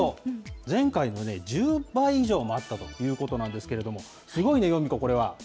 前回の１０倍以上もあったということなんですけれども、すごいね、ヨミ子、これは。